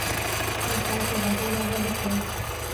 د خلکو غږونه غلي کړي.